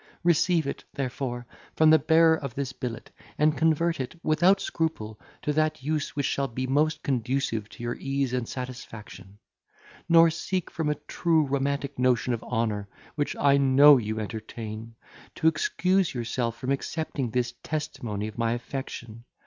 Receive it, therefore, from the bearer of this billet, and convert it, without scruple, to that use which shall be most conducive to your ease and satisfaction; nor seek, from a true romantic notion of honour, which I know you entertain, to excuse yourself from accepting this testimony of my affection.